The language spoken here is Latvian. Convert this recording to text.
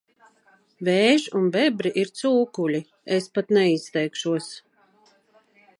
Vējš un bebri ir cūkuļi, es pat neizteikšos...